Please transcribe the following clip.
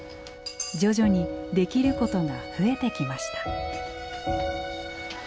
徐々にできることが増えてきました。